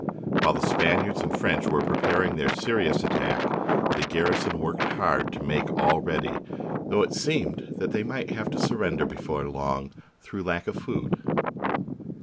While the Spaniards and French were preparing their serious attack, the garrison worked hard to make all ready, though it seemed that they might have to surrender before long through lack of food.